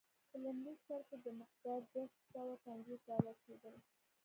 په لومړي سر کې دا مقدار دوه سوه پنځوس ډالر کېدل.